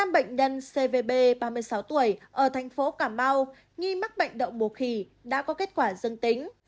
năm bệnh nhân cvb ba mươi sáu tuổi ở thành phố cà mau nghi mắc bệnh đậu mùa khỉ đã có kết quả dương tính